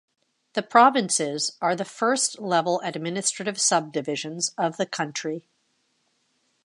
The provinces are the first-level administrative subdivisions of the country.